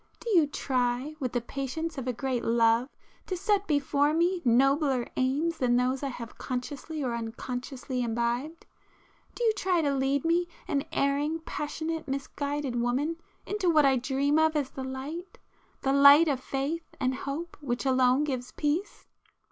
—do you try, with the patience of a great love, to set before me nobler aims than those I have consciously or unconsciously imbibed?—do you try to lead me, an erring, passionate, misguided woman, into what I dream of as the light,—the light of faith and hope which alone gives peace?"